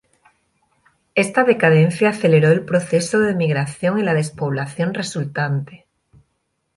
Esta decadencia aceleró el proceso de emigración y la despoblación resultante.